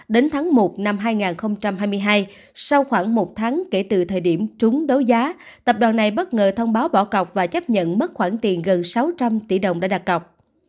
đến tháng một năm hai nghìn hai mươi hai sau khoảng một tháng kể từ thời điểm trúng đấu giá tập đoàn này bất ngờ thông báo bỏ cọc và chấp nhận mất khoảng tiền gần sáu trăm linh tỷ đồng đã đặt cọc